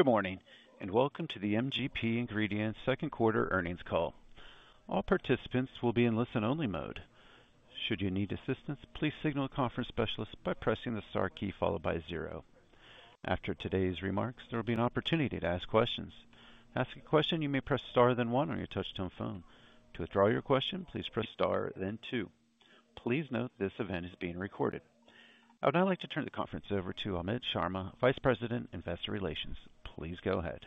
Good morning and welcome to the MGP Ingredients second quarter earnings call. All participants will be in listen-only mode. Should you need assistance, please signal a conference specialist by pressing the star key followed by zero. After today's remarks, there will be an opportunity to ask questions. To ask a question, you may press star then one on your touch-tone phone. To withdraw your question, please press star then two. Please note this event is being recorded. I would now like to turn the conference over to Amit Sharma, Vice President, Investor Relations. Please go ahead.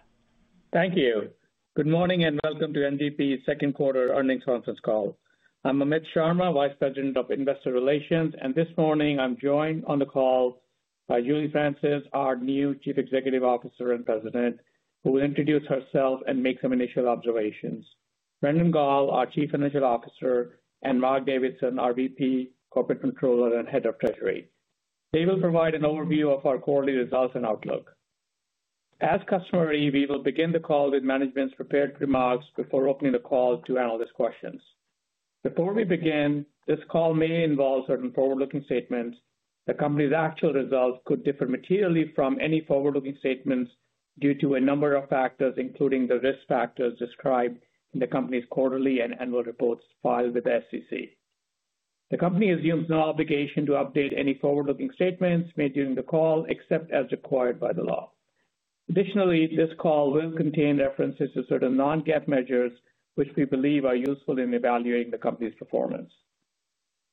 Thank you. Good morning and welcome to MGP Ingredients' second quarter earnings conference call. I'm Amit Sharma, Vice President of Investor Relations, and this morning I'm joined on the call by Julie Francis, our new Chief Executive Officer and President, who will introduce herself and make some initial observations. Brandon Gall, our Chief Financial Officer, and Mark Davidson, our VP, Corporate Controller, and Head of Treasury. They will provide an overview of our quarterly results and outlook. As customary, we will begin the call with management's prepared remarks before opening the call to analyst questions. Before we begin, this call may involve certain forward-looking statements. The company's actual results could differ materially from any forward-looking statements due to a number of factors, including the risk factors described in the company's quarterly and annual reports filed with the SEC. The company assumes no obligation to update any forward-looking statements made during the call except as required by the law. Additionally, this call will contain references to certain non-GAAP measures, which we believe are useful in evaluating the company's performance.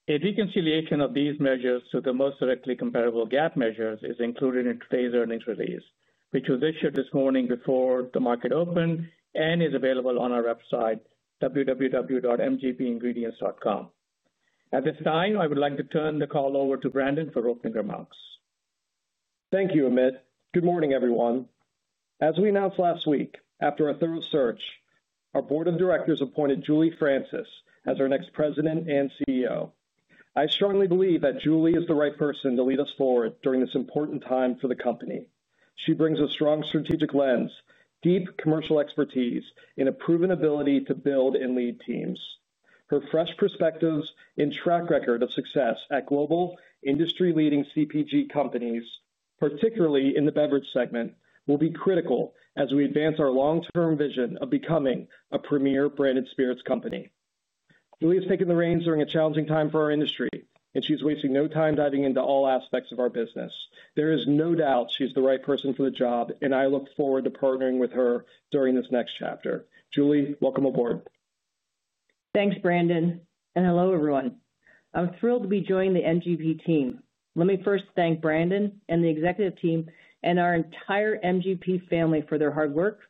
A reconciliation of these measures to the most directly comparable GAAP measures is included in today's earnings release, which was issued this morning before the market opened and is available on our website, www.mgpingredients.com. At this time, I would like to turn the call over to Brandon for opening remarks. Thank you, Amit. Good morning, everyone. As we announced last week, after a thorough search, our Board of Directors appointed Julie Francis as our next President and CEO. I strongly believe that Julie is the right person to lead us forward during this important time for the company. She brings a strong strategic lens, deep commercial expertise, and a proven ability to build and lead teams. Her fresh perspectives and track record of success at global, industry-leading CPG companies, particularly in the beverage segment, will be critical as we advance our long-term vision of becoming a premier branded spirits company. Julie has taken the reins during a challenging time for our industry, and she's wasting no time diving into all aspects of our business. There is no doubt she's the right person for the job, and I look forward to partnering with her during this next chapter. Julie, welcome aboard. Thanks, Brandon, and hello, everyone. I'm thrilled to be joining the MGP Ingredients team. Let me first thank Brandon and the executive team and our entire MGP Ingredients family for their hard work,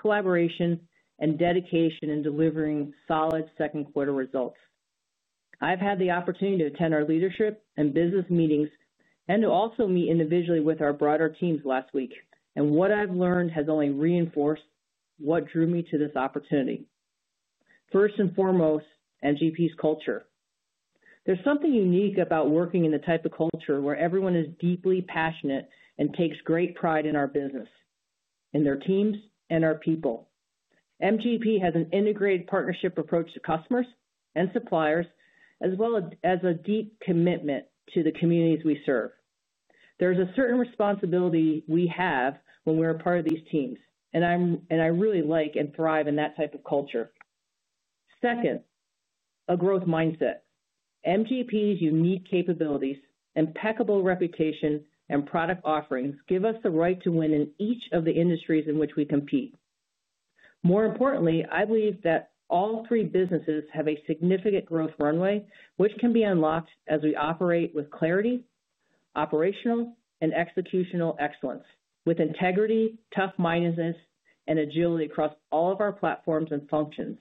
collaboration, and dedication in delivering solid second quarter results. I've had the opportunity to attend our leadership and business meetings and to also meet individually with our broader teams last week, and what I've learned has only reinforced what drew me to this opportunity. First and foremost, MGP's culture. There's something unique about working in the type of culture where everyone is deeply passionate and takes great pride in our business, in their teams, and our people. MGP Ingredients has an integrated partnership approach to customers and suppliers, as well as a deep commitment to the communities we serve. There's a certain responsibility we have when we're a part of these teams, and I really like and thrive in that type of culture. Second, a growth mindset. MGP's unique capabilities, impeccable reputation, and product offerings give us the right to win in each of the industries in which we compete. More importantly, I believe that all three businesses have a significant growth runway, which can be unlocked as we operate with clarity, operational, and executional excellence, with integrity, tough-mindedness, and agility across all of our platforms and functions.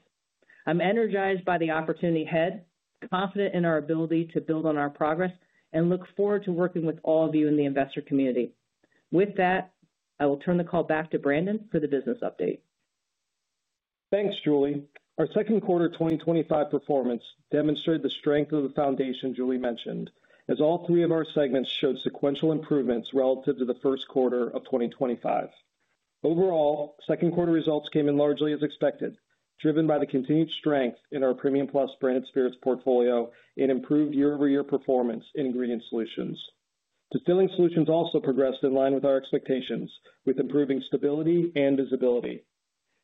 I'm energized by the opportunity ahead, confident in our ability to build on our progress, and look forward to working with all of you in the investor community. With that, I will turn the call back to Brandon for the business update. Thanks, Julie. Our second quarter 2025 performance demonstrated the strength of the foundation Julie mentioned, as all three of our segments showed sequential improvements relative to the first quarter of 2025. Overall, second quarter results came in largely as expected, driven by the continued strength in our Premium Plus branded spirits portfolio and improved year-over-year performance in Ingredient Solutions. The distilling solutions also progressed in line with our expectations, with improving stability and visibility.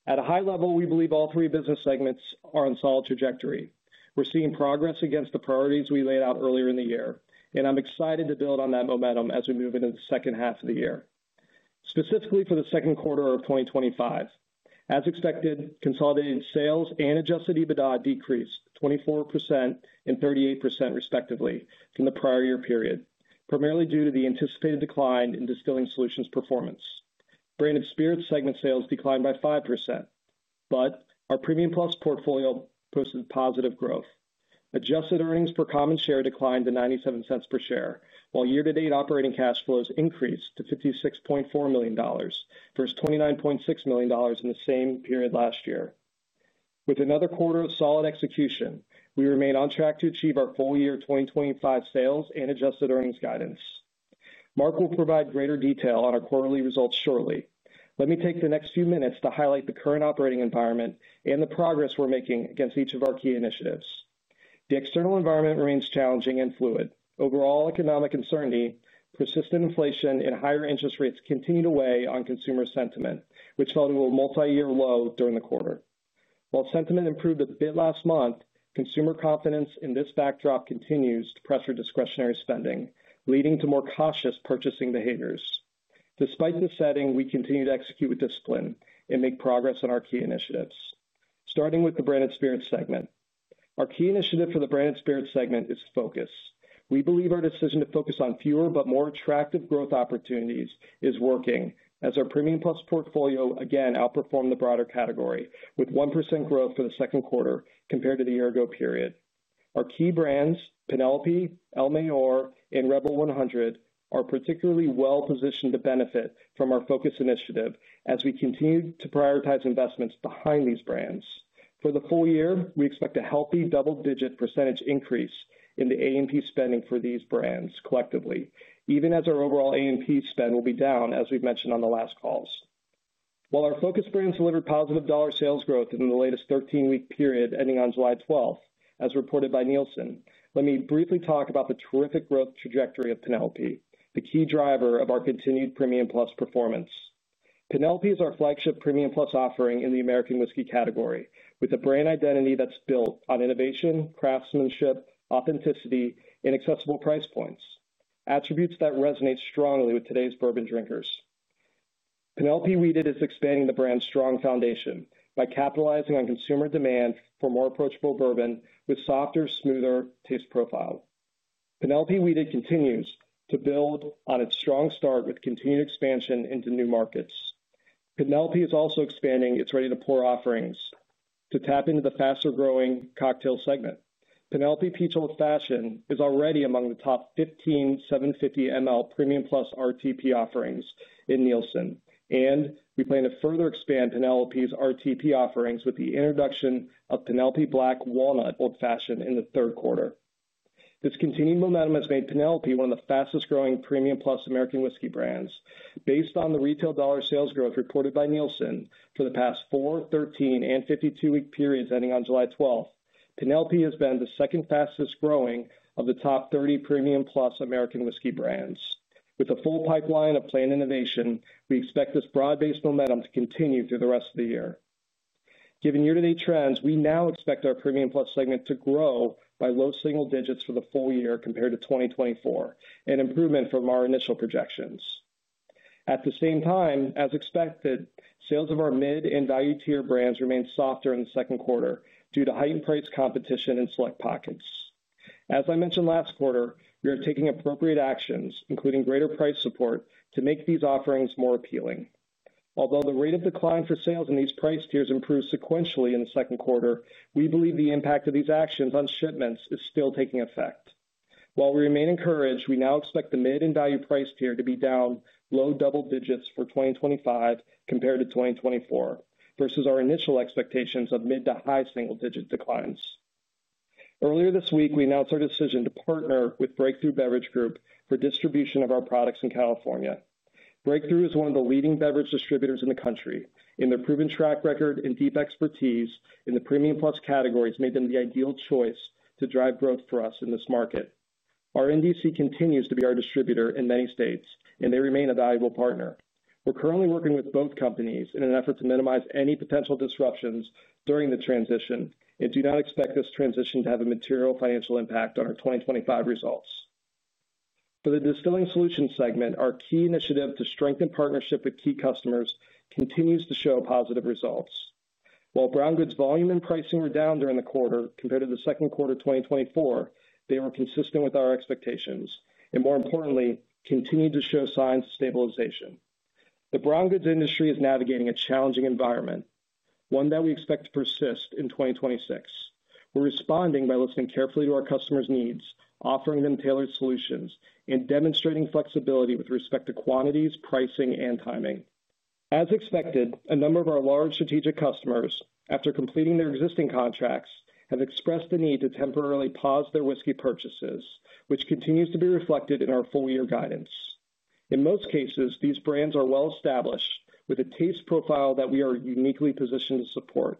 At a high level, we believe all three business segments are on a solid trajectory. We're seeing progress against the priorities we laid out earlier in the year, and I'm excited to build on that momentum as we move into the second half of the year. Specifically for the second quarter of 2025, as expected, consolidated sales and adjusted EBITDA decreased 24% and 38% respectively from the prior year period, primarily due to the anticipated decline in Distilling Solutions' performance. Branded Spirits segment sales declined by 5%, but our Premium Plus portfolio posted positive growth. Adjusted earnings per common share declined to $0.97 per share, while year-to-date operating cash flows increased to $56.4 million, versus $29.6 million in the same period last year. With another quarter of solid execution, we remain on track to achieve our full-year 2025 sales and adjusted earnings guidance. Mark will provide greater detail on our quarterly results shortly. Let me take the next few minutes to highlight the current operating environment and the progress we're making against each of our key initiatives. The external environment remains challenging and fluid. Overall economic uncertainty, persistent inflation, and higher interest rates continue to weigh on consumer sentiment, which held a multi-year low during the quarter. While sentiment improved a bit last month, consumer confidence in this backdrop continues to press for discretionary spending, leading to more cautious purchasing behaviors. Despite this setting, we continue to execute with discipline and make progress on our key initiatives. Starting with the Branded Spirits segment. Our key initiative for the Branded Spirits segment is Focus. We believe our decision to focus on fewer but more attractive growth opportunities is working, as our Premium Plus portfolio again outperformed the broader category, with 1% growth for the second quarter compared to the year-ago period. Our key brands, Penelope, El Mayor, and Rebel 100, are particularly well-positioned to benefit from our Focus initiative as we continue to prioritize investments behind these brands. For the full year, we expect a healthy double-digit percentage increase in the AMP spending for these brands collectively, even as our overall AMP spend will be down, as we've mentioned on the last calls. While our Focus brands delivered positive dollar sales growth in the latest 13-week period ending on July 12, as reported by Nielsen, let me briefly talk about the terrific growth trajectory of Penelope, the key driver of our continued Premium Plus performance. Penelope is our flagship Premium Plus offering in the American whiskey category, with a brand identity that's built on innovation, craftsmanship, authenticity, and accessible price points, attributes that resonate strongly with today's bourbon drinkers. Penelope Weeded is expanding the brand's strong foundation by capitalizing on consumer demand for more approachable bourbon with softer, smoother taste profiles. Penelope Weeded continues to build on its strong start with continued expansion into new markets. Penelope is also expanding its ready-to-pour offerings to tap into the faster-growing cocktail segment. Penelope Peach Old Fashion is already among the top 15, 750 ml Premium Plus RTP offerings in Nielsen, and we plan to further expand Penelope's RTP offerings with the introduction of Penelope Black Walnut Old Fashion in the third quarter. This continued momentum has made Penelope one of the fastest-growing Premium Plus American whiskey brands. Based on the retail dollar sales growth reported by Nielsen for the past four, 13, and 52-week periods ending on July 12, Penelope has been the second fastest growing of the top 30 Premium Plus American whiskey brands. With a full pipeline of planned innovation, we expect this broad-based momentum to continue through the rest of the year. Given year-to-date trends, we now expect our Premium Plus segment to grow by low single digits for the full year compared to 2024, an improvement from our initial projections. At the same time, as expected, sales of our mid and value tier brands remain softer in the second quarter due to heightened price competition in select pockets. As I mentioned last quarter, we are taking appropriate actions, including greater price support, to make these offerings more appealing. Although the rate of decline for sales in these price tiers improved sequentially in the second quarter, we believe the impact of these actions on shipments is still taking effect. While we remain encouraged, we now expect the mid and value price tier to be down low double digits for 2025 compared to 2024, versus our initial expectations of mid to high single-digit declines. Earlier this week, we announced our decision to partner with Breakthru Beverage Group for distribution of our products in California. Breakthru is one of the leading beverage distributors in the country, and their proven track record and deep expertise in the Premium Plus categories made them the ideal choice to drive growth for us in this market. Our NDC continues to be our distributor in many states, and they remain a valuable partner. We're currently working with both companies in an effort to minimize any potential disruptions during the transition and do not expect this transition to have a material financial impact on our 2025 results. For the Distilling Solutions segment, our key initiative to strengthen partnership with key customers continues to show positive results. While brown goods volume and pricing were down during the quarter compared to the second quarter of 2024, they were consistent with our expectations and, more importantly, continue to show signs of stabilization. The brown goods industry is navigating a challenging environment, one that we expect to persist in 2026. We're responding by listening carefully to our customers' needs, offering them tailored solutions, and demonstrating flexibility with respect to quantities, pricing, and timing. As expected, a number of our large strategic customers, after completing their existing contracts, have expressed the need to temporarily pause their whiskey purchases, which continues to be reflected in our full-year guidance. In most cases, these brands are well-established with a taste profile that we are uniquely positioned to support.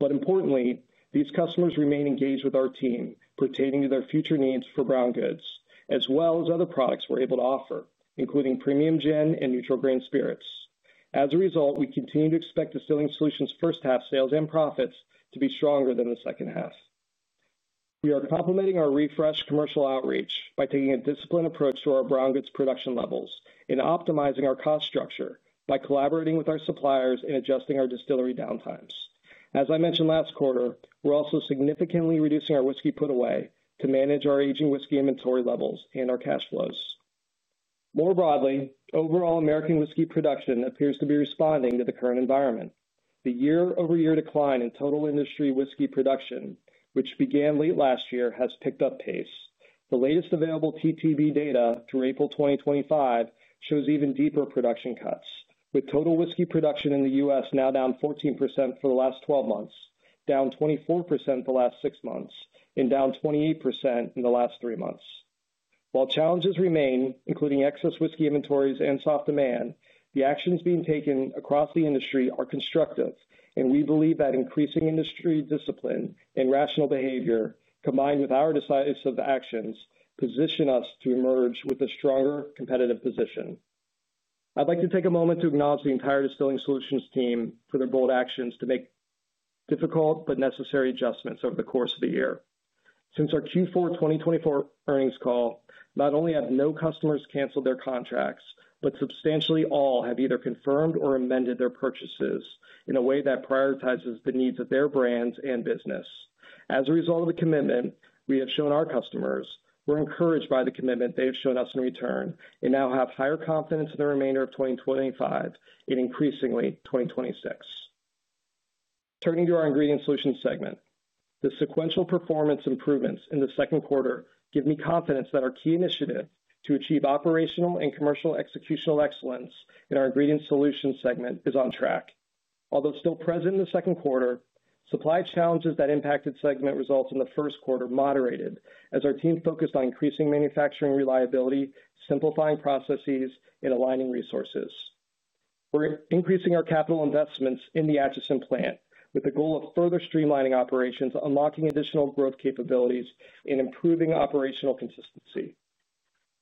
Importantly, these customers remain engaged with our team pertaining to their future needs for brown goods, as well as other products we're able to offer, including Premium Gen and Neutral Grain Spirits. As a result, we continue to expect Distilling Solutions' first half sales and profits to be stronger than the second half. We are complementing our refreshed commercial outreach by taking a disciplined approach to our brown goods production levels and optimizing our cost structure by collaborating with our suppliers and adjusting our distillery downtimes. As I mentioned last quarter, we're also significantly reducing our whiskey put-away to manage our aging whiskey inventory levels and our cash flows. More broadly, overall American whiskey production appears to be responding to the current environment. The year-over-year decline in total industry whiskey production, which began late last year, has picked up pace. The latest available TTB data through April 2025 shows even deeper production cuts, with total whiskey production in the U.S. now down 14% for the last 12 months, down 24% the last six months, and down 28% in the last three months. While challenges remain, including excess whiskey inventories and soft demand, the actions being taken across the industry are constructive, and we believe that increasing industry discipline and rational behavior, combined with our decisive actions, position us to emerge with a stronger competitive position. I'd like to take a moment to acknowledge the entire Distilling Solutions team for their bold actions to make difficult but necessary adjustments over the course of the year. Since our Q4 2024 earnings call, not only have no customers canceled their contracts, but substantially all have either confirmed or amended their purchases in a way that prioritizes the needs of their brands and business. As a result of the commitment we have shown our customers, we're encouraged by the commitment they have shown us in return and now have higher confidence in the remainder of 2025 and increasingly 2026. Turning to our Ingredient Solutions segment, the sequential performance improvements in the second quarter give me confidence that our key initiative to achieve operational and commercial executional excellence in our Ingredient Solutions segment is on track. Although still present in the second quarter, supply challenges that impacted segment results in the first quarter moderated as our team focused on increasing manufacturing reliability, simplifying processes, and aligning resources. We're increasing our capital investments in the Addison Plant with the goal of further streamlining operations, unlocking additional growth capabilities, and improving operational consistency.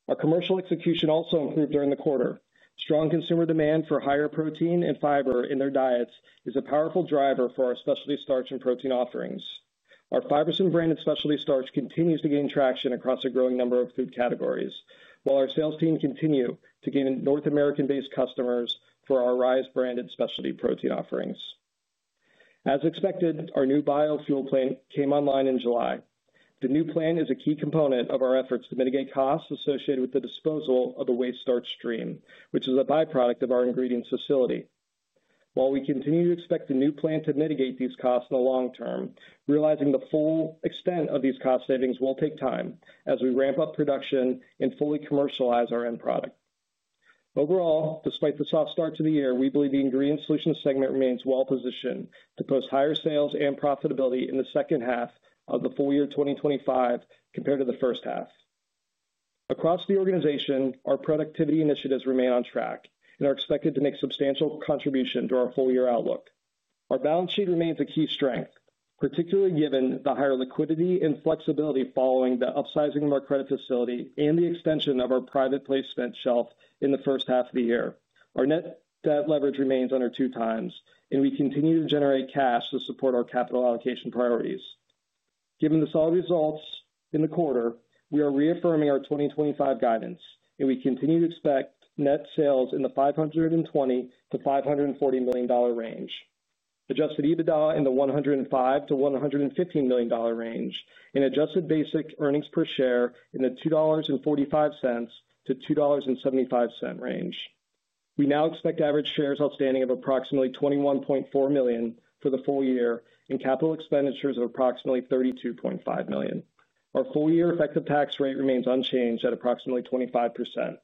Our commercial execution also improved during the quarter. Strong consumer demand for higher protein and fiber in their diets is a powerful driver for our specialty starch and protein offerings. Our Fibersym branded specialty starch continues to gain traction across a growing number of food categories, while our sales team continues to gain North American-based customers for our Arise branded specialty protein offerings. As expected, our new biofuel facility came online in July. The new facility is a key component of our efforts to mitigate costs associated with the disposal of a waste starch stream, which is a byproduct of our ingredients facility. While we continue to expect the new facility to mitigate these costs in the long term, realizing the full extent of these cost savings will take time as we ramp up production and fully commercialize our end product. Overall, despite the soft start to the year, we believe the Ingredient Solutions segment remains well-positioned to post higher sales and profitability in the second half of the full year 2025 compared to the first half. Across the organization, our productivity initiatives remain on track and are expected to make a substantial contribution to our full-year outlook. Our balance sheet remains a key strength, particularly given the higher liquidity and flexibility following the upsizing of our credit facility and the extension of our private placement shelf in the first half of the year. Our net debt leverage ratio remains under 2x, and we continue to generate cash to support our capital allocation priorities. Given the solid results in the quarter, we are reaffirming our 2025 guidance, and we continue to expect net sales in the $520 million-$540 million range, adjusted EBITDA in the $105 million-$115 million range, and adjusted basic earnings per share in the $2.45-$2.75 range. We now expect average shares outstanding of approximately 21.4 million for the full year and capital expenditures of approximately $32.5 million. Our full-year effective tax rate remains unchanged at approximately 25%.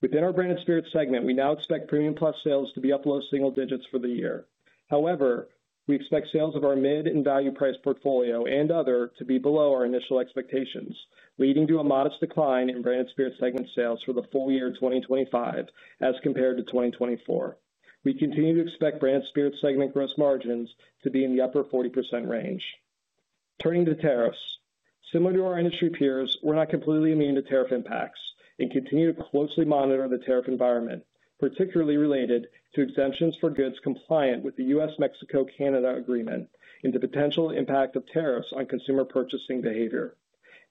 Within our Branded Spirits segment, we now expect Premium Plus sales to be up low single digits for the year. However, we expect sales of our mid and value price portfolio and other to be below our initial expectations, leading to a modest decline in Branded Spirits segment sales for the full year 2025 as compared to 2024. We continue to expect Branded Spirits segment gross margins to be in the upper 40% range. Turning to tariffs, similar to our industry peers, we're not completely immune to tariff impacts and continue to closely monitor the tariff environment, particularly related to exemptions for goods compliant with the U.S.-Mexico-Canada Agreement and the potential impact of tariffs on consumer purchasing behavior.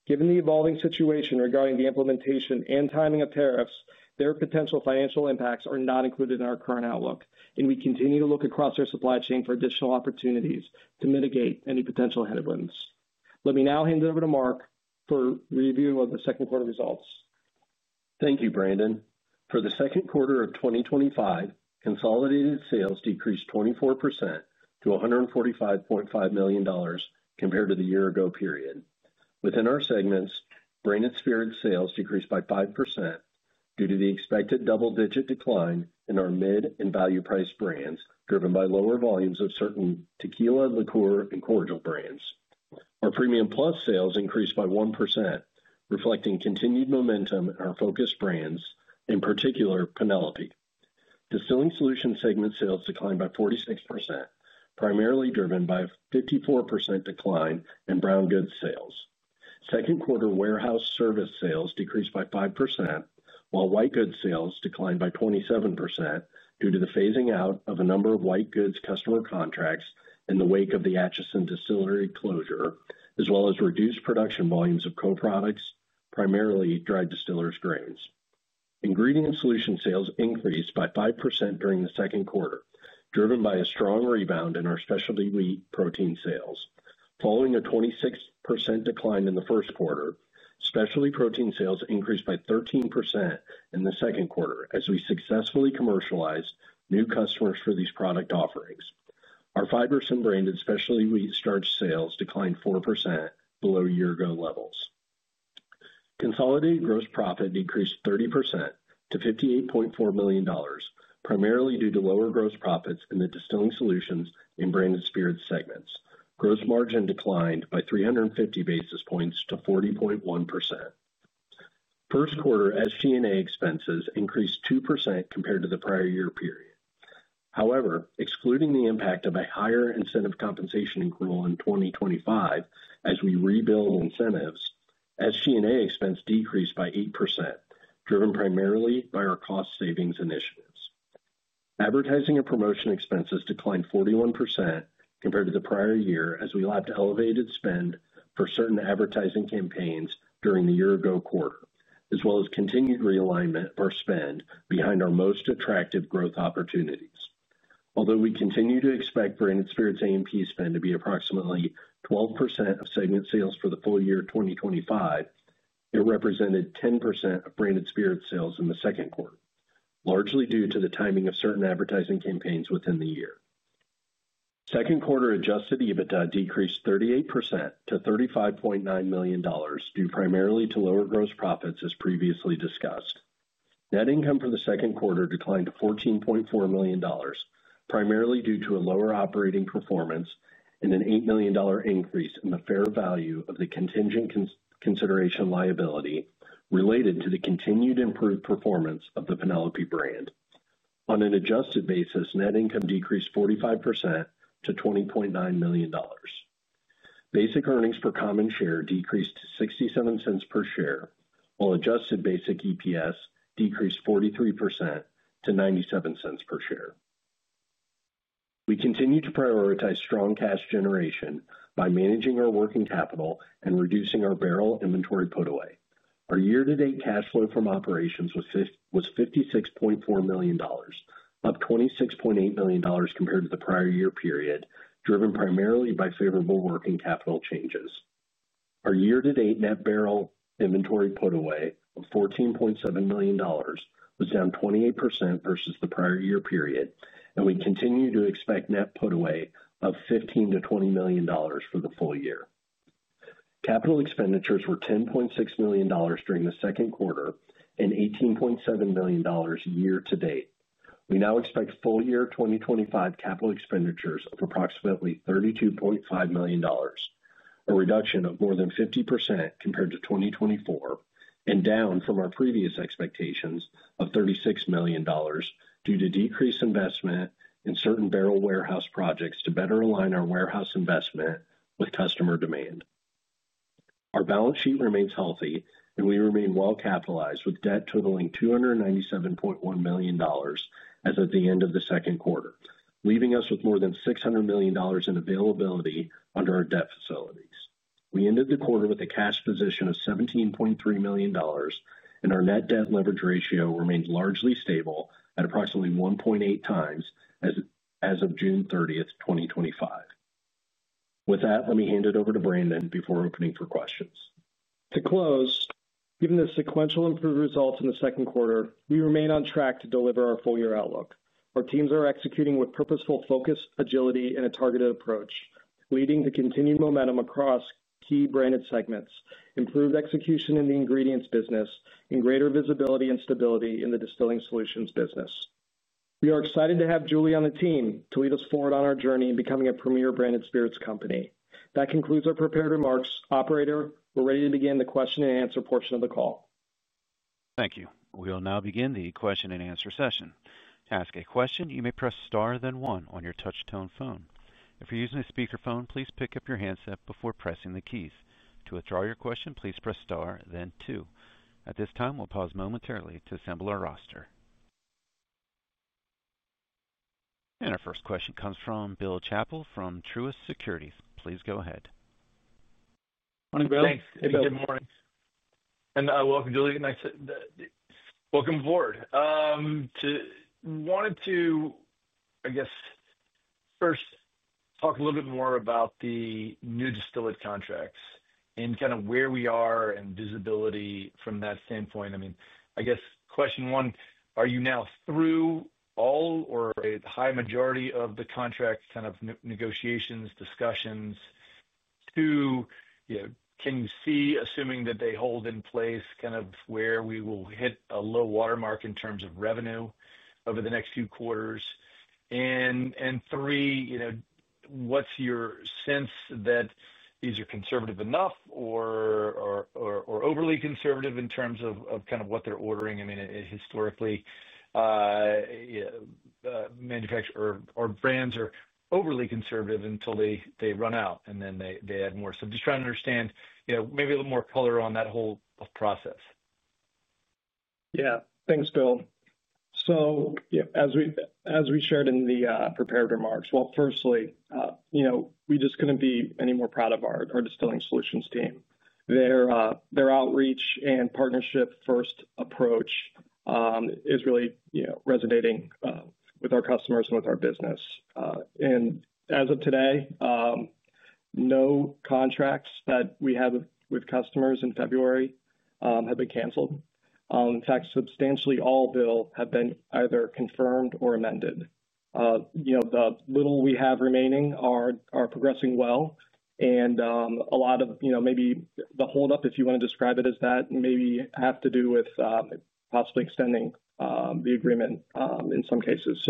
Given the evolving situation regarding the implementation and timing of tariffs, their potential financial impacts are not included in our current outlook, and we continue to look across our supply chain for additional opportunities to mitigate any potential headwinds. Let me now hand it over to Mark for review of the second quarter results. Thank you, Brandon. For the second quarter of 2025, consolidated sales decreased 24% million-$145.5 million compared to the year-ago period. Within our segments, branded spirits sales decreased by 5% due to the expected double-digit decline in our mid and value price brands driven by lower volumes of certain tequila, liqueur, and cordial brands. Our Premium Plus sales increased by 1%, reflecting continued momentum in our Focus brands, in particular Penelope. Distilling Solutions segment sales declined by 46%, primarily driven by a 54% decline in brown goods sales. Second quarter warehouse service sales decreased by 5%, while white goods sales declined by 27% due to the phasing out of a number of white goods customer contracts in the wake of the Addison distillery closure, as well as reduced production volumes of co-products, primarily dried distillers' grains. Ingredient Solutions sales increased by 5% during the second quarter, driven by a strong rebound in our specialty wheat protein sales. Following a 26% decline in the first quarter, specialty protein sales increased by 13% in the second quarter as we successfully commercialized new customers for these product offerings. Our Fibersym branded specialty wheat starch sales declined 4% below year-ago levels. Consolidated gross profit decreased 30% to $58.4 million, primarily due to lower gross profits in the Distilling Solutions and Branded Spirits segments. Gross margin declined by 350 basis points to 40.1%. First quarter SG&A expenses increased 2% compared to the prior year period. However, excluding the impact of a higher incentive compensation accrual in 2025 as we rebuild incentives, SG&A expense decreased by 8%, driven primarily by our cost savings initiatives. Advertising and promotion expenses declined 41% compared to the prior year as we lapped elevated spend for certain advertising campaigns during the year-ago quarter, as well as continued realignment of our spend behind our most attractive growth opportunities. Although we continue to expect Branded Spirits AMP spend to be approximately 12% of segment sales for the full year 2025, it represented 10% of Branded Spirits sales in the second quarter, largely due to the timing of certain advertising campaigns within the year. Second quarter adjusted EBITDA decreased 38% to $35.9 million, due primarily to lower gross profits as previously discussed. Net income for the second quarter declined to $14.4 million, primarily due to a lower operating performance and an $8 million increase in the fair value of the contingent consideration liability related to the continued improved performance of the Penelope brand. On an adjusted basis, net income decreased 45% to $20.9 million. Basic earnings per common share decreased to $0.67 per share, while adjusted basic EPS decreased 43% to $0.97 per share. We continue to prioritize strong cash generation by managing our working capital and reducing our barrel inventory put-away. Our year-to-date cash flow from operations was $56.4 million, up $26.8 million compared to the prior year period, driven primarily by favorable working capital changes. Our year-to-date net barrel inventory put-away of $14.7 million was down 28% versus the prior year period, and we continue to expect net put-away of $15 million-$20 million for the full year. Capital expenditures were $10.6 million during the second quarter and $18.7 million year to date. We now expect full year 2025 capital expenditures of approximately $32.5 million, a reduction of more than 50% compared to 2024 and down from our previous expectations of $36 million due to decreased investment in certain barrel warehouse projects to better align our warehouse investment with customer demand. Our balance sheet remains healthy, and we remain well capitalized with debt totaling $297.1 million as of the end of the second quarter, leaving us with more than $600 million in availability under our debt facilities. We ended the quarter with a cash position of $17.3 million, and our net debt leverage ratio remains largely stable at approximately 1.8x as of June 30, 2025. With that, let me hand it over to Brandon before opening for questions. To close, given the sequential improved results in the second quarter, we remain on track to deliver our full-year outlook. Our teams are executing with purposeful focus, agility, and a targeted approach, leading to continued momentum across key branded segments, improved execution in the ingredients business, and greater visibility and stability in the Distilling Solutions business. We are excited to have Julie on the team to lead us forward on our journey in becoming a premier branded spirits company. That concludes our prepared remarks. Operator, we're ready to begin the question and answer portion of the call. Thank you. We will now begin the question-and-answer session. To ask a question, you may press star then one on your touch-tone phone. If you're using a speaker phone, please pick up your handset before pressing the keys. To withdraw your question, please press star then two. At this time, we'll pause momentarily to assemble our roster. Our first question comes from Bill Chappell from Truist Securities. Please go ahead. Morning, Bill. Thanks, Bill. Good morning. Welcome, Julie. Nice to welcome aboard. I wanted to first talk a little bit more about the new distilled contracts and where we are and visibility from that standpoint. Question one, are you now through all or a high majority of the contracts, negotiations, discussions? Two, can you see, assuming that they hold in place, where we will hit a low watermark in terms of revenue over the next few quarters? Three, what's your sense that these are conservative enough or overly conservative in terms of what they're ordering? Historically, our brands are overly conservative until they run out and then they add more. Just trying to understand, maybe a little more color on that whole process. Yeah, thanks, Bill. As we shared in the prepared remarks, firstly, we just couldn't be any more proud of our Distilling Solutions team. Their outreach and partnership-first approach is really resonating with our customers and with our business. As of today, no contracts that we have with customers in February have been canceled. In fact, substantially all, Bill, have been either confirmed or amended. The little we have remaining are progressing well. A lot of the holdup, if you want to describe it as that, may have to do with possibly extending the agreement in some cases.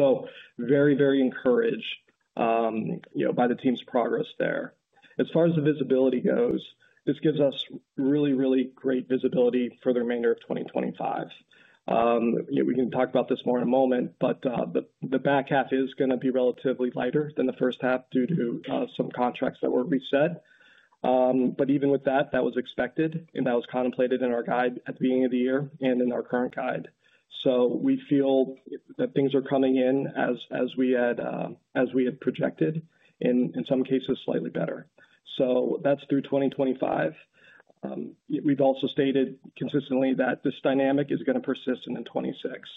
Very encouraged by the team's progress there. As far as the visibility goes, this gives us really great visibility for the remainder of 2025. We can talk about this more in a moment, but the back half is going to be relatively lighter than the first half due to some contracts that were reset. Even with that, that was expected and that was contemplated in our guide at the beginning of the year and in our current guide. We feel that things are coming in as we had projected, and in some cases, slightly better. That's through 2025. We've also stated consistently that this dynamic is going to persist into 2026.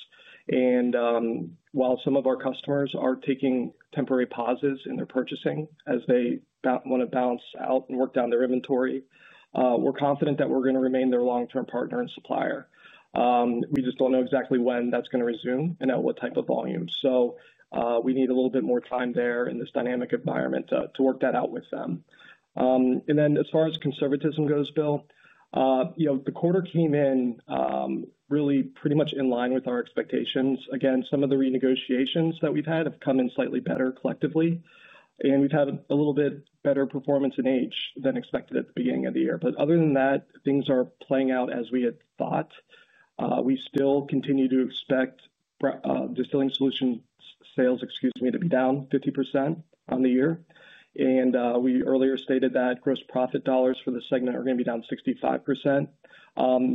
While some of our customers are taking temporary pauses in their purchasing as they want to balance out and work down their inventory, we're confident that we're going to remain their long-term partner and supplier. We just don't know exactly when that's going to resume and at what type of volume. We need a little bit more time there in this dynamic environment to work that out with them. As far as conservatism goes, Bill, the quarter came in really pretty much in line with our expectations. Some of the renegotiations that we've had have come in slightly better collectively, and we've had a little bit better performance in age than expected at the beginning of the year. Other than that, things are playing out as we had thought. We still continue to expect Distilling Solutions sales to be down 50% on the year. We earlier stated that gross profit dollars for the segment are going to be down 65%.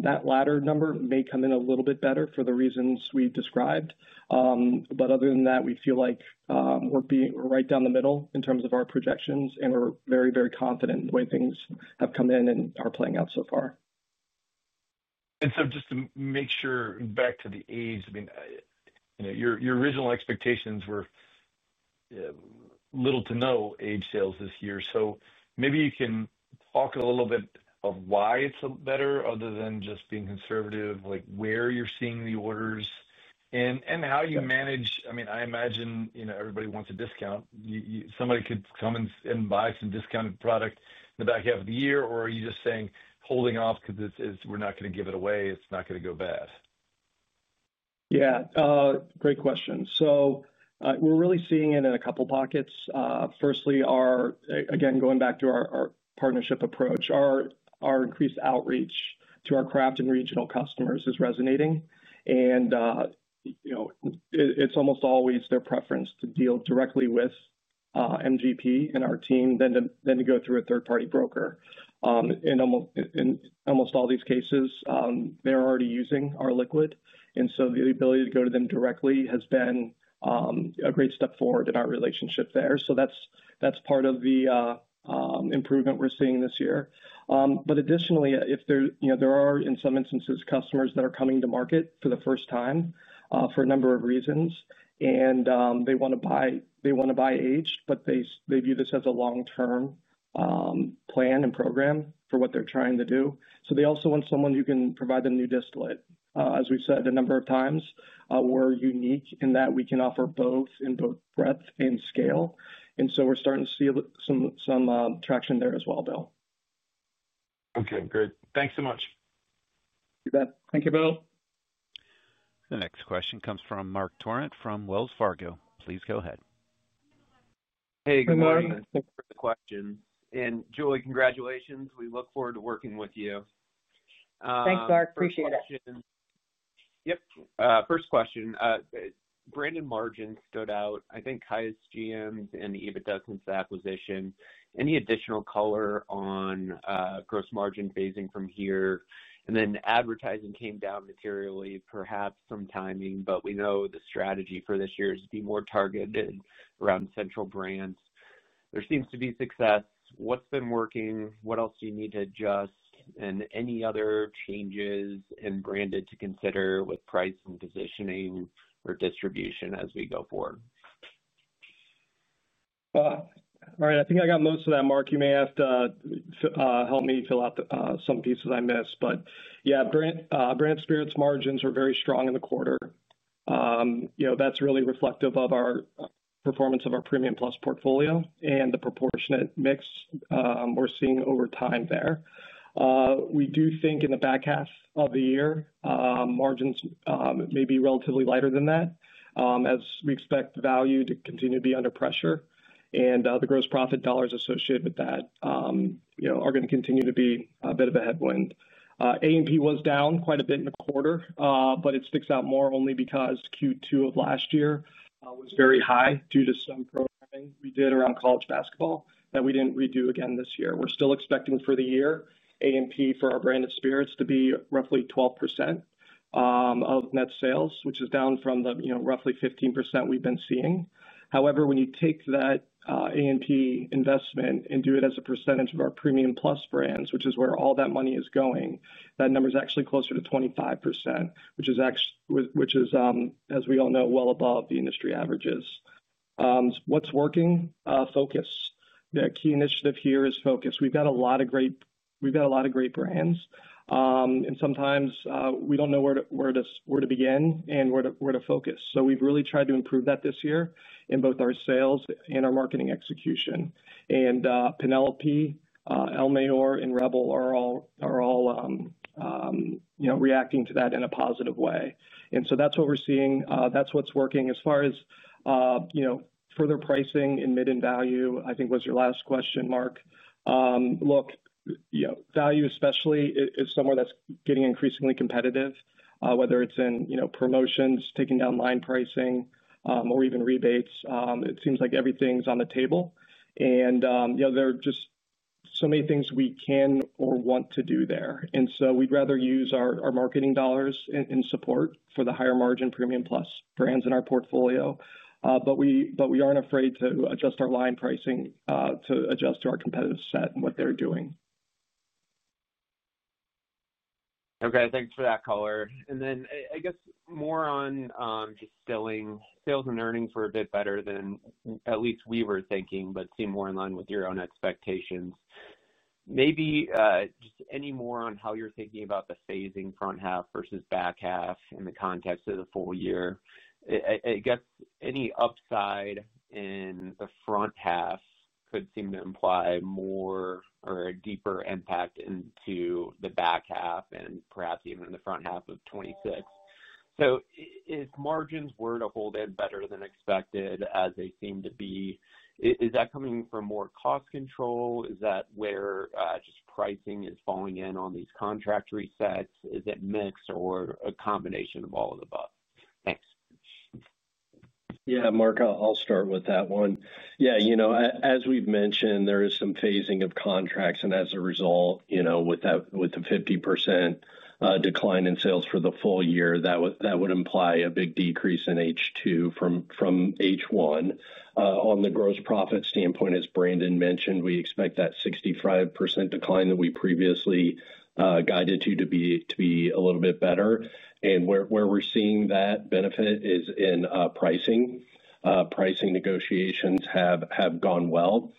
That latter number may come in a little bit better for the reasons we described. Other than that, we feel like we're right down the middle in terms of our projections, and we're very confident in the way things have come in and are playing out so far. Just to make sure, back to the age, I mean, your original expectations were little to no age sales this year. Maybe you can talk a little bit of why it's better other than just being conservative, like where you're seeing the orders and how you manage. I imagine everybody wants a discount. Somebody could come and buy some discounted product in the back half of the year, or are you just saying holding off because we're not going to give it away, it's not going to go bad? Yeah, great question. We're really seeing it in a couple of pockets. Firstly, again, going back to our partnership approach, our increased outreach to our craft and regional customers is resonating. It's almost always their preference to deal directly with MGP and our team than to go through a third-party broker. In almost all these cases, they're already using our liquid, and the ability to go to them directly has been a great step forward in our relationship there. That's part of the improvement we're seeing this year. Additionally, if there are, in some instances, customers that are coming to market for the first time for a number of reasons, and they want to buy age, they view this as a long-term plan and program for what they're trying to do. They also want someone who can provide them new distillate. As we've said a number of times, we're unique in that we can offer both in both breadth and scale. We're starting to see some traction there as well, Bill. Okay, great. Thanks so much. You bet. Thank you, Bill. The next question comes from Marc Torrente from Wells Fargo. Please go ahead. Hey, good morning. Thanks for the question. Julie, congratulations. We look forward to working with you. Thanks, Marc. Appreciate it. Yep. First question. Brandon, margin stood out. I think highest GM and EBITDA since the acquisition. Any additional color on gross margin phasing from here? Advertising came down materially, perhaps some timing, but we know the strategy for this year is to be more targeted around central brands. There seems to be success. What's been working? What else do you need to adjust? Any other changes in branded to consider with pricing, positioning, or distribution as we go forward? All right. I think I got most of that. Mark, you may have to help me fill out some pieces I missed. Brand spirits margins are very strong in the quarter. That's really reflective of our performance of our Premium Plus branded spirits portfolio and the proportionate mix we're seeing over time there. We do think in the back half of the year, margins may be relatively lighter than that, as we expect value to continue to be under pressure. The gross profit dollars associated with that are going to continue to be a bit of a headwind. AMP was down quite a bit in the quarter, but it sticks out more only because Q2 of last year was very high due to some programming we did around college basketball that we didn't redo again this year. We're still expecting for the year, AMP for our branded spirits to be roughly 12% of net sales, which is down from the roughly 15% we've been seeing. However, when you take that AMP investment and do it as a percentage of our Premium Plus brands, which is where all that money is going, that number is actually closer to 25%, which is, as we all know, well above the industry averages. What's working? Focus. The key initiative here is focus. We've got a lot of great brands. Sometimes we don't know where to begin and where to focus. We've really tried to improve that this year in both our sales and our marketing execution. Penelope, El Mayor, and Rebel 100 are all reacting to that in a positive way. That's what we're seeing. That's what's working as far as further pricing in mid and value, I think was your last question, Mark. Value especially is somewhere that's getting increasingly competitive, whether it's in promotions, taking down line pricing, or even rebates. It seems like everything's on the table. There are just so many things we can or want to do there. We'd rather use our marketing dollars in support for the higher margin Premium Plus brands in our portfolio. We aren't afraid to adjust our line pricing to adjust to our competitive set and what they're doing. Okay, thanks for that color. I guess more on distilling sales and earnings were a bit better than at least we were thinking, but seem more in line with your own expectations. Maybe just any more on how you're thinking about the phasing front half versus back half in the context of the full year. I guess any upside in the front half could seem to imply more or a deeper impact into the back half and perhaps even in the front half of 2026. If margins were to hold in better than expected, as they seem to be, is that coming from more cost control? Is that where just pricing is falling in on these contract resets? Is it mixed or a combination of all of the above? Thanks. Yeah, Mark, I'll start with that one. As we've mentioned, there is some phasing of contracts. As a result, with the 50% decline in sales for the full year, that would imply a big decrease in H2 from H1. On the gross profit standpoint, as Brandon mentioned, we expect that 65% decline that we previously guided to to be a little bit better. Where we're seeing that benefit is in pricing. Pricing negotiations have gone well,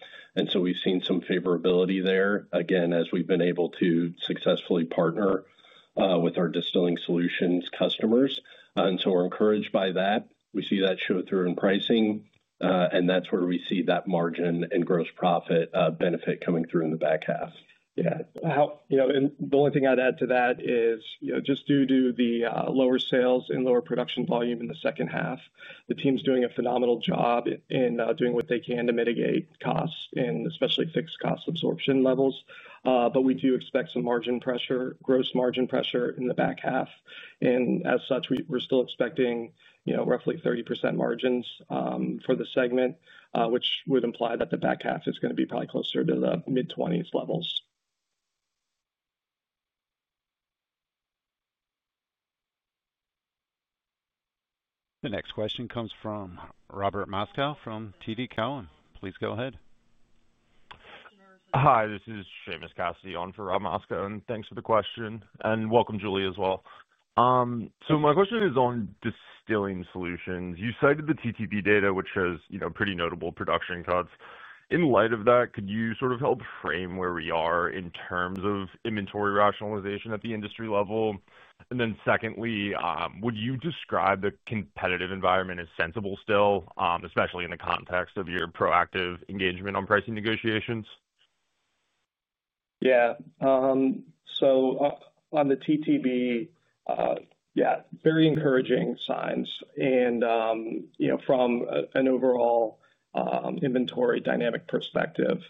so we've seen some favorability there, as we've been able to successfully partner with our Distilling Solutions customers. We're encouraged by that. We see that show through in pricing, and that's where we see that margin and gross profit benefit coming through in the back half. Yeah, you know, the only thing I'd add to that is, just due to the lower sales and lower production volume in the second half, the team's doing a phenomenal job in doing what they can to mitigate costs and especially fixed cost absorption levels. We do expect some margin pressure, gross margin pressure in the back half. As such, we're still expecting roughly 30% margins for the segment, which would imply that the back half is going to be probably closer to the mid-20% levels. The next question comes from Robert Moskow from TD Cowen. Please go ahead. Hi, this is Seamus Cassidy on for Rob Moskow. Thanks for the question, and welcome, Julie, as well. My question is on Distilling Solutions. You cited the TTP data, which shows pretty notable production cuts. In light of that, could you sort of help frame where we are in terms of inventory rationalization at the industry level? Secondly, would you describe the competitive environment as sensible still, especially in the context of your proactive engagement on pricing negotiations? Yeah. On the TTB, very encouraging signs. From an overall inventory dynamic perspective,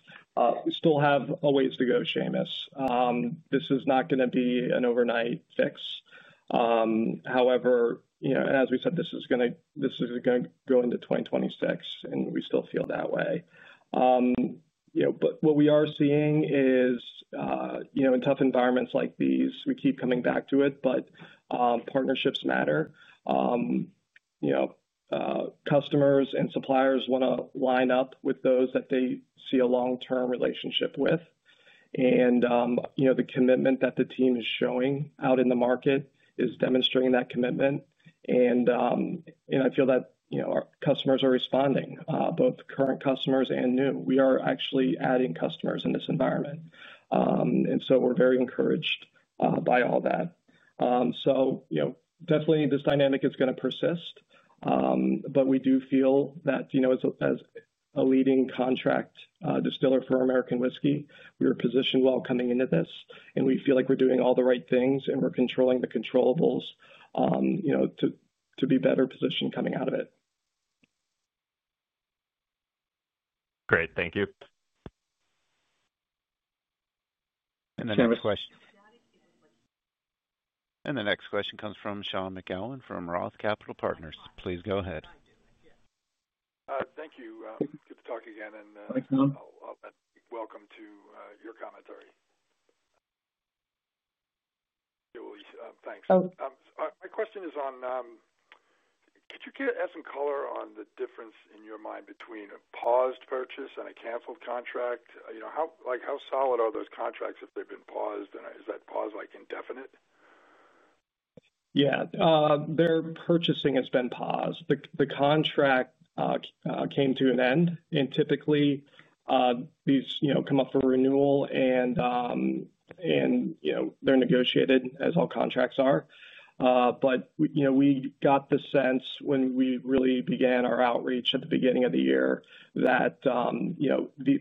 we still have a ways to go, Seamus. This is not going to be an overnight fix. However, as we said, this is going to go into 2026, and we still feel that way. What we are seeing is, in tough environments like these, we keep coming back to it, but partnerships matter. Customers and suppliers want to line up with those that they see a long-term relationship with. The commitment that the team is showing out in the market is demonstrating that commitment. I feel that our customers are responding, both current customers and new. We are actually adding customers in this environment, and we're very encouraged by all that. Definitely this dynamic is going to persist. We do feel that, as a leading contract distiller for American whiskey, we were positioned well coming into this, and we feel like we're doing all the right things, and we're controlling the controllables to be better positioned coming out of it. Great. Thank you. The next question comes from Sean McGowan from ROTH Capital Markets. Please go ahead. Thank you. Good to talk again. I welcome your commentary. Julie, thanks. My question is on, could you give us some color on the difference in your mind between a paused purchase and a canceled contract? You know, how solid are those contracts if they've been paused? Is that pause indefinite? Yeah. Their purchasing has been paused. The contract came to an end. Typically, these come up for renewal, and they're negotiated as all contracts are. We got the sense when we really began our outreach at the beginning of the year that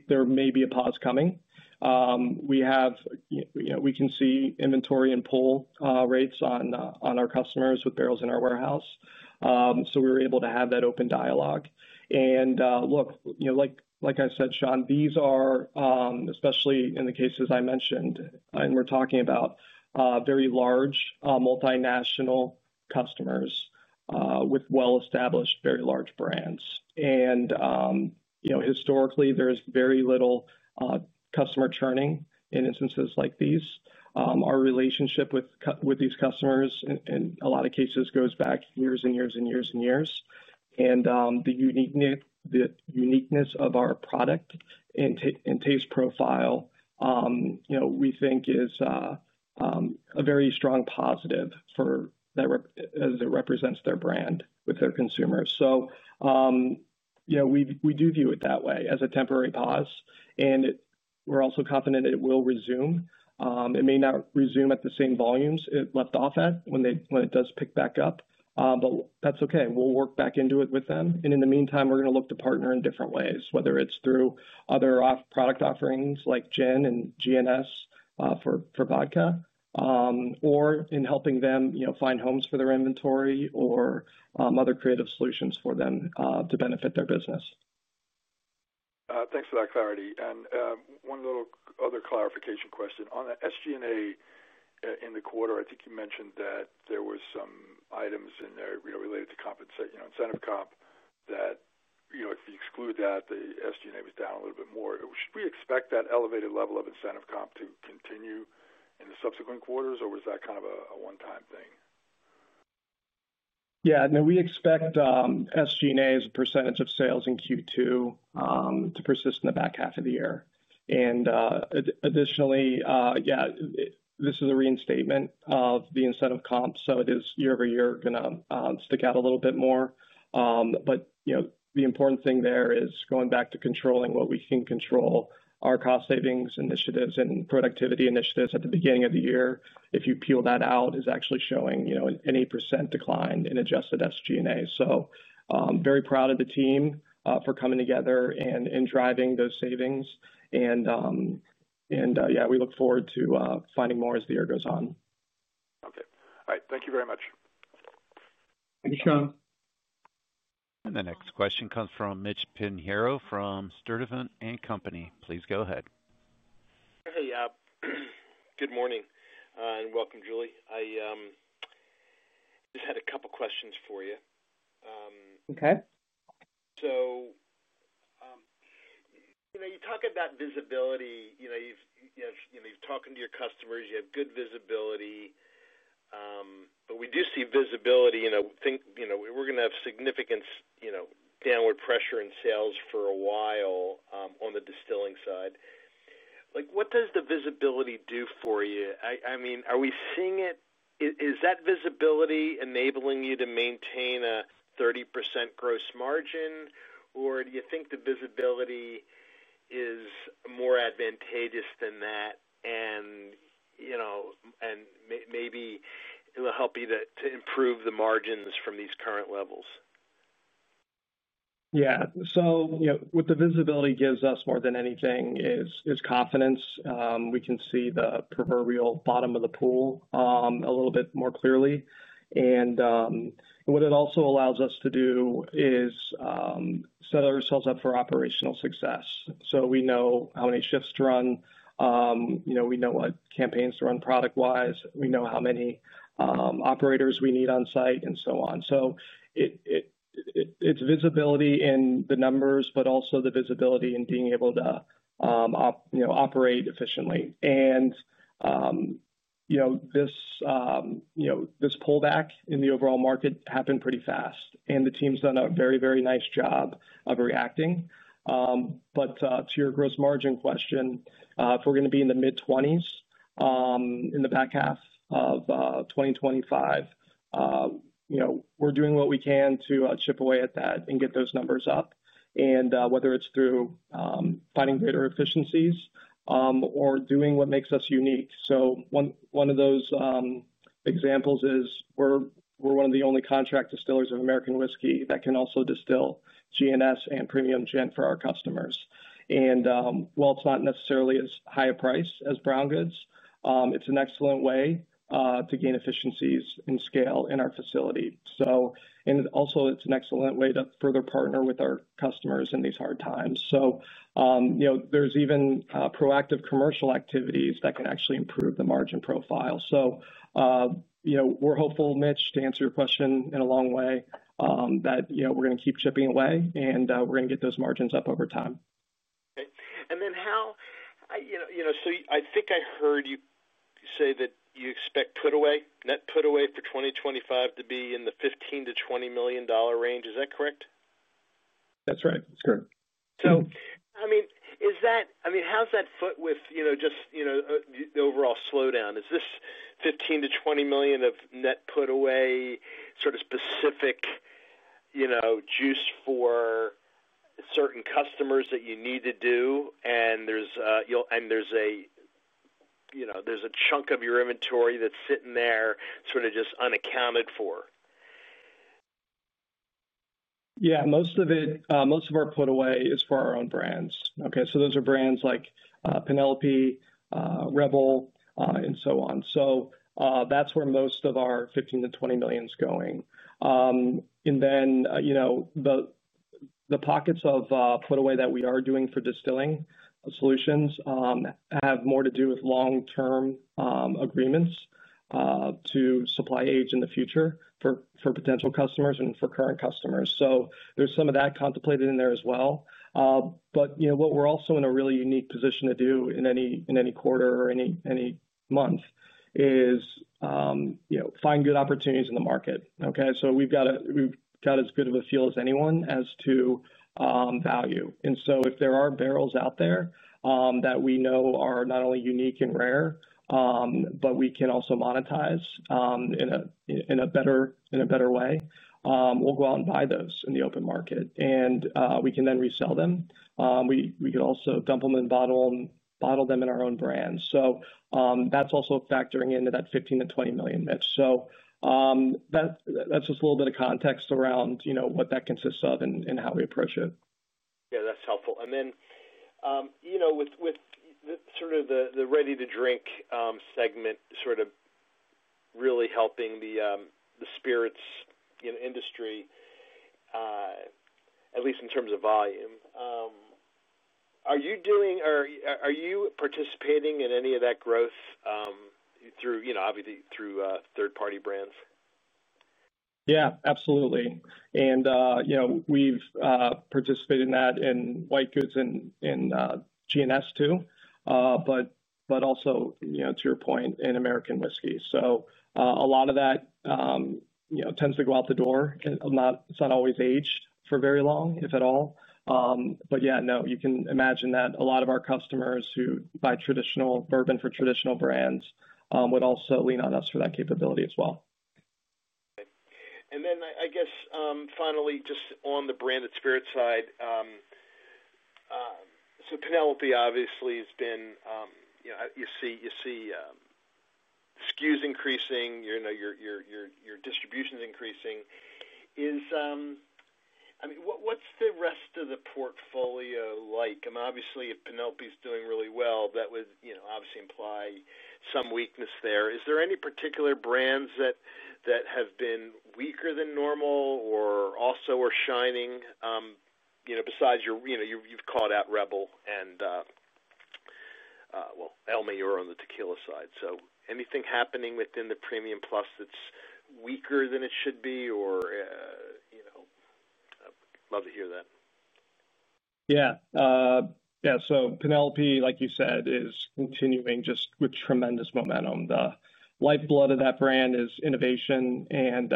there may be a pause coming. We can see inventory and pull rates on our customers with barrels in our warehouse, so we were able to have that open dialogue. Look, like I said, Sean, these are, especially in the cases I mentioned, very large multinational customers with well-established, very large brands. Historically, there's very little customer churning in instances like these. Our relationship with these customers in a lot of cases goes back years and years and years and years. The uniqueness of our product and taste profile, we think, is a very strong positive for that as it represents their brand with their consumers. We do view it that way as a temporary pause, and we're also confident that it will resume. It may not resume at the same volumes it left off at when it does pick back up, but that's okay. We'll work back into it with them. In the meantime, we're going to look to partner in different ways, whether it's through other product offerings like gin and GNS for vodka, or in helping them find homes for their inventory or other creative solutions for them to benefit their business. Thanks for that clarity. One little other clarification question. On the SG&A in the quarter, I think you mentioned that there were some items in there related to compensation, you know, incentive comp that, you know, if you exclude that, the SG&A was down a little bit more. Should we expect that elevated level of incentive comp to continue in the subsequent quarters, or was that kind of a one-time thing? Yeah, no, we expect SG&A as a percentage of sales in Q2 to persist in the back half of the year. Additionally, this is a reinstatement of the incentive comp, so it is year-over-year going to stick out a little bit more. The important thing there is going back to controlling what we can control, our cost savings initiatives and productivity initiatives at the beginning of the year. If you peel that out, it's actually showing an 8% decline in adjusted SG&A. Very proud of the team for coming together and driving those savings. We look forward to finding more as the year goes on. Okay. All right. Thank you very much. Thank you, Sean. The next question comes from Mitch Pinheiro from Sturdivant & Company. Please go ahead. Good morning and welcome, Julie. I just had a couple of questions for you. Okay. You talk about visibility. You've talked to your customers. You have good visibility. We do see visibility. We're going to have significant downward pressure in sales for a while on the distilling side. What does the visibility do for you? I mean, are we seeing it? Is that visibility enabling you to maintain a 30% gross margin, or do you think the visibility is more advantageous than that? Maybe it'll help you to improve the margins from these current levels. Yeah. What the visibility gives us more than anything is confidence. We can see the proverbial bottom of the pool a little bit more clearly. What it also allows us to do is set ourselves up for operational success. We know how many shifts to run, we know what campaigns to run product-wise, we know how many operators we need on site and so on. It's visibility in the numbers, but also the visibility in being able to operate efficiently. This pullback in the overall market happened pretty fast, and the team's done a very, very nice job of reacting. To your gross margin question, if we're going to be in the mid-20% in the back half of 2025, we're doing what we can to chip away at that and get those numbers up. Whether it's through finding greater efficiencies or doing what makes us unique, one of those examples is we're one of the only contract distillers of American whiskey that can also distill GNS and premium gin for our customers. While it's not necessarily as high a price as brown goods, it's an excellent way to gain efficiencies and scale in our facility. It's also an excellent way to further partner with our customers in these hard times. There are even proactive commercial activities that can actually improve the margin profile. We're hopeful, Mitch, to answer your question in a long way, that we're going to keep chipping away and we're going to get those margins up over time. Okay. I think I heard you say that you expect net put-away for 2025 to be in the $15 million-$20 million range. Is that correct? That's right. That's correct. I mean, how's that fit with, you know, just the overall slowdown? Is this $15 million-$20 million of net put-away sort of specific, you know, juice for certain customers that you need to do? There's a chunk of your inventory that's sitting there sort of just unaccounted for. Yeah, most of it, most of our put-away is for our own brands. Okay, so those are brands like Penelope, Rebel 100, and so on. That's where most of our $15 million-$20 million is going. The pockets of put-away that we are doing for Distilling Solutions have more to do with long-term agreements to supply age in the future for potential customers and for current customers. There's some of that contemplated in there as well. You know what we're also in a really unique position to do in any quarter or any month is find good opportunities in the market. We've got as good of a feel as anyone as to value. If there are barrels out there that we know are not only unique and rare, but we can also monetize in a better way, we'll go out and buy those in the open market. We can then resell them. We could also dump them and bottle them in our own brand. That's also factoring into that $15 million-$20 million, Mitch. That's just a little bit of context around what that consists of and how we approach it. Yeah, that's helpful. With sort of the ready-to-drink segment really helping the spirits industry, at least in terms of volume, are you doing or are you participating in any of that growth through, you know, obviously through third-party brands? Absolutely. You know, we've participated in that in white goods and GNS too, but also, to your point, in American whiskey. A lot of that tends to go out the door. It's not always aged for very long, if at all. You can imagine that a lot of our customers who buy traditional bourbon for traditional brands would also lean on us for that capability as well. Finally, just on the branded spirit side, Penelope obviously has been, you know, you see SKUs increasing, your distribution is increasing. I mean, what's the rest of the portfolio like? Obviously, if Penelope is doing really well, that would imply some weakness there. Is there any particular brands that have been weaker than normal or also are shining, besides your, you've called out Rebel 100 and El Mayor on the tequila side. Anything happening within the Premium Plus that's weaker than it should be, or I'd love to hear that. Yeah. Yeah. Penelope, like you said, is continuing just with tremendous momentum. The lifeblood of that brand is innovation and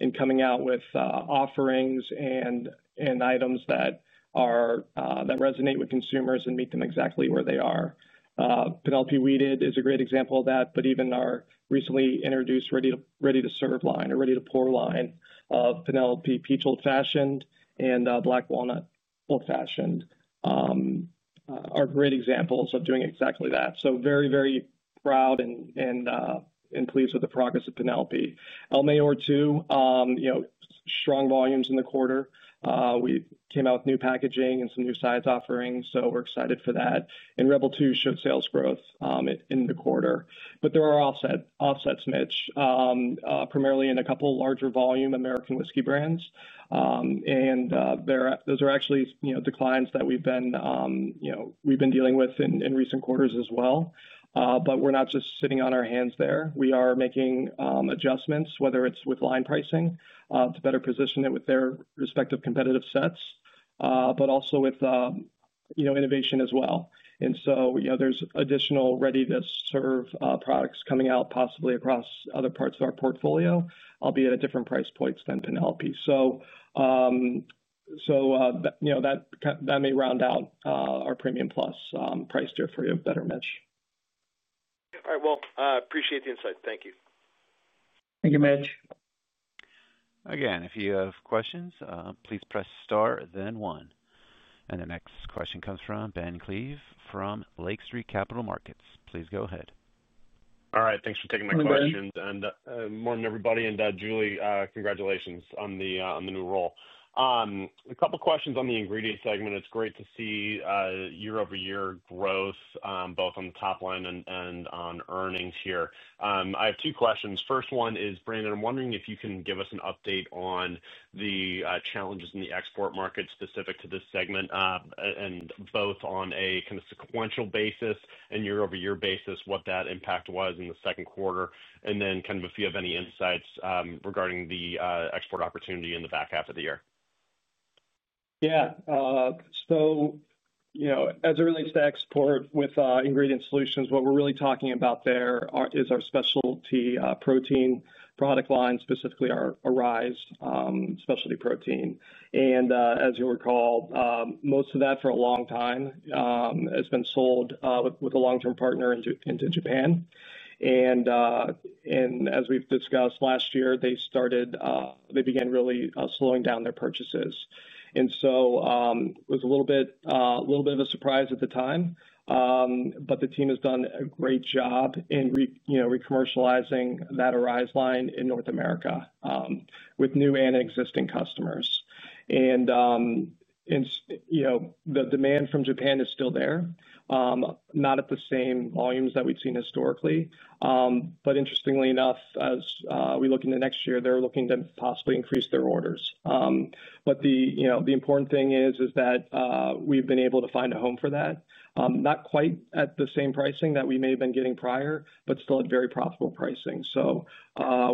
in coming out with offerings and items that resonate with consumers and meet them exactly where they are. Penelope Weeded is a great example of that, but even our recently introduced ready-to-serve line or ready-to-pour line of Penelope Peach Old Fashioned and Black Walnut Old Fashioned are great examples of doing exactly that. Very, very proud and pleased with the progress of Penelope. El Mayor too, you know, strong volumes in the quarter. We came out with new packaging and some new size offerings, so we're excited for that. Rebel too, short sales growth in the quarter. There are offsets, Mitch, primarily in a couple of larger volume American whiskey brands. Those are actually declines that we've been dealing with in recent quarters as well. We're not just sitting on our hands there. We are making adjustments, whether it's with line pricing to better position it with their respective competitive sets, but also with innovation as well. There are additional ready-to-serve products coming out possibly across other parts of our portfolio, albeit at different price points than Penelope. That may round out our Premium Plus price tier for you better, Mitch. All right. I appreciate the insight. Thank you. Thank you, Mitch. Again, if you have questions, please press star then one. The next question comes from Ben Klieve from Lake Street. Please go ahead. All right. Thanks for taking my questions. Good morning everybody. Julie, congratulations on the new role. A couple of questions on the Ingredient Solutions segment. It's great to see year-over-year growth, both on the top line and on earnings here. I have two questions. First one is, Brandon, I'm wondering if you can give us an update on the challenges in the export market specific to this segment, and both on a kind of sequential basis and year-over-year basis, what that impact was in the second quarter, and if you have any insights regarding the export opportunity in the back half of the year. Yeah. As it relates to export with Ingredient Solutions, what we're really talking about there is our specialty protein product line, specifically our Arise specialty protein. As you'll recall, most of that for a long time has been sold with a long-term partner into Japan. As we've discussed last year, they started, they began really slowing down their purchases. It was a little bit of a surprise at the time. The team has done a great job in recommercializing that Arise line in North America with new and existing customers. The demand from Japan is still there, not at the same volumes that we've seen historically. Interestingly enough, as we look into next year, they're looking to possibly increase their orders. The important thing is that we've been able to find a home for that, not quite at the same pricing that we may have been getting prior, but still at very profitable pricing.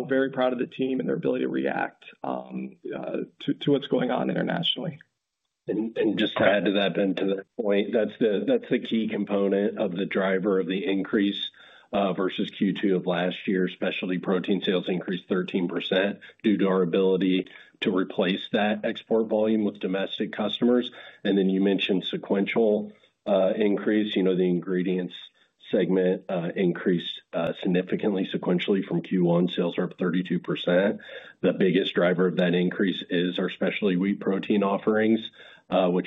Very proud of the team and their ability to react to what's going on internationally. To add to that, Ben, to that point, that's the key component of the driver of the increase versus Q2 of last year. Specialty protein sales increased 13% due to our ability to replace that export volume with domestic customers. You mentioned sequential increase. The Ingredient Solutions segment increased significantly sequentially from Q1. Sales are up 32%. The biggest driver of that increase is our specialty wheat protein offerings, which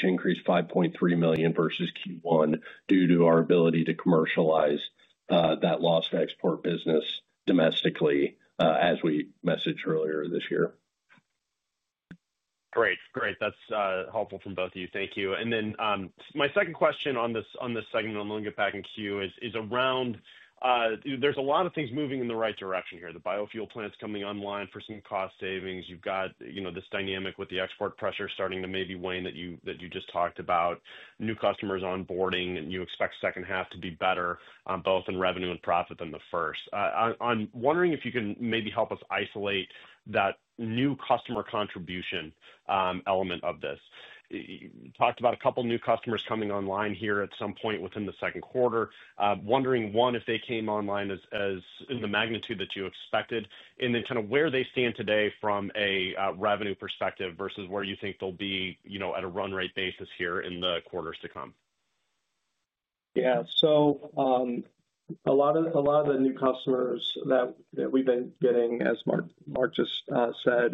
increased $5.3 million versus Q1 due to our ability to commercialize that lost export business domestically, as we messaged earlier this year. Great. That's helpful from both of you. Thank you. My second question on this segment on low-and-god packing queue is around there's a lot of things moving in the right direction here. The biofuel facility's coming online for some cost savings. You've got, you know, this dynamic with the export pressure starting to maybe wane that you just talked about. New customers onboarding, and you expect the second half to be better on both in revenue and profit than the first. I'm wondering if you can maybe help us isolate that new customer contribution element of this. You talked about a couple of new customers coming online here at some point within the second quarter. Wondering, one, if they came online in the magnitude that you expected, and then kind of where they stand today from a revenue perspective versus where you think they'll be, you know, at a run-rate basis here in the quarters to come. A lot of the new customers that we've been getting, as Mark Davidson just said.